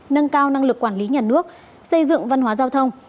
nâng cao năng lực quản lý nhà nước xây dựng văn hóa giao thông